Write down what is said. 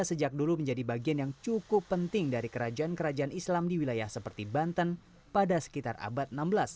sejak dulu menjadi bagian yang cukup penting dari kerajaan kerajaan islam di wilayah seperti banten pada sekitar abad enam belas